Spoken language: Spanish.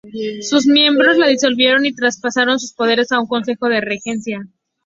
Sus miembros la disolvieron y traspasaron sus poderes a un Consejo de Regencia.